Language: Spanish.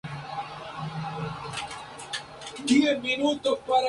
Dibujos Escritos-Escritos dibujados: Visiones Femeninas" en la Universidad de Valencia.